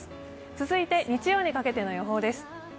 続いて日曜日にかけての予報です。